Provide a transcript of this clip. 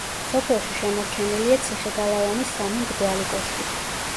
სოფელში შემორჩენილია ციხე-გალავანი სამი მრგვალი კოშკით.